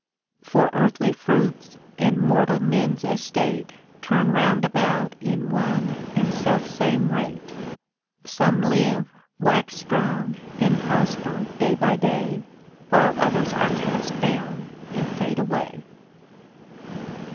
For earthly fruits and mortal men's estate Turn round about in one and selfsame rate ; Some live, wax strong, and prosper day by day, While others are cast down and fade away.